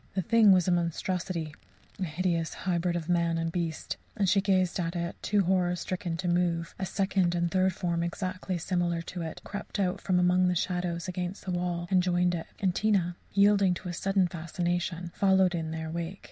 The thing was a monstrosity, a hideous hybrid of man and beast, and as she gazed at it, too horror stricken to move, a second and third form exactly similar to it crept out from among the shadows against the wall and joined it. And Tina, yielding to a sudden fascination, followed in their wake.